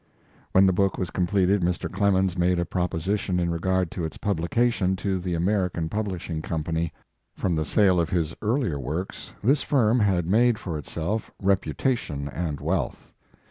When the book was completed ,Mr. Clemens made a proposition in re gard to its publication to the American Publishing Company. From the sale of his earlier works this firm had made for itself reputation and wealth.